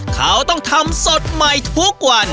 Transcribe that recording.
เขาต้องทำสดใหม่ทุกวัน